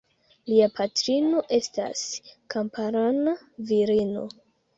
Lia patrino estas kamparana virino.